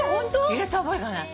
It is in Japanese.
入れた覚えがない。